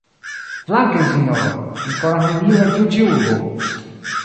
Flanken, sinjoro! Mi konas neniun en tiu ĉi urbo.